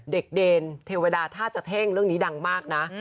เดนเทวดาถ้าจะเท่งเรื่องนี้ดังมากนะ